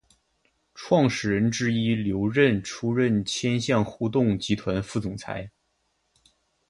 创始人之一刘韧出任千橡互动集团副总裁。